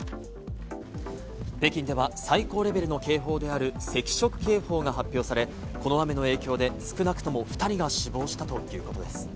北京では最高レベルの警報である赤色警報が発表され、この雨の影響で少なくとも２人が死亡したということです。